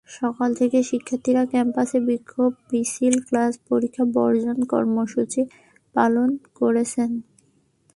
সকাল থেকে শিক্ষার্থীরা ক্যাম্পাসে বিক্ষোভ মিছিল, ক্লাস-পরীক্ষা বর্জন কর্মসূচি পালন করেছেন।